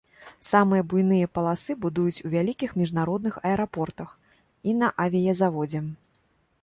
Самыя буйныя паласы будуюць у вялікіх міжнародных аэрапортах і на авіязаводзе.